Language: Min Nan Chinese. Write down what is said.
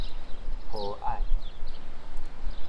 和藹